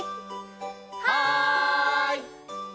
はい！